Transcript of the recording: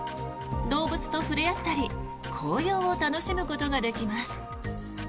動物と触れ合ったり紅葉を楽しむことができます。